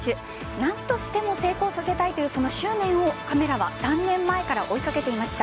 何としても成功させたいというその執念をカメラは３年前から追いかけていました。